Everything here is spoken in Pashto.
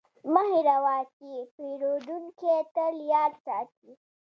مه هېروه چې پیرودونکی تل یاد ساتي.